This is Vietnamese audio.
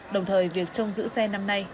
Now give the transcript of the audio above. đồng thời việc trông giữ xe năm nay